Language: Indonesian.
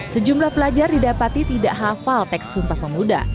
sejumlah pelajar didapati tidak hafal teks sumpah pemuda